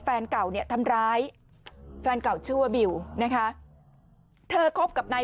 แฟนเก่าเนี่ยทำร้ายแฟนเก่าชื่อว่าบิวนะคะเธอคบกับนาย